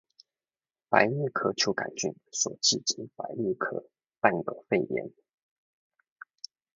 百日咳球桿菌所致之百日咳伴有肺炎